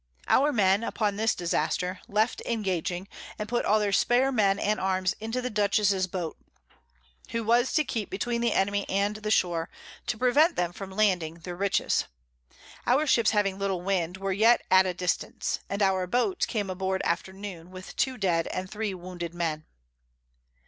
Our Men, upon this Disaster, left engaging, and put all their spare Men and Arms into the Dutchess's Boat; who was to keep between the Enemy and the Shore, to prevent them from landing their Riches. Our Ships having little Wind, were yet at a distance; and our Boat came aboard after noon, with two dead and three wounded Men.